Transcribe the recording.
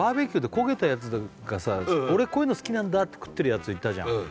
「俺こういうの好きなんだ」って食ってるやつがいたじゃん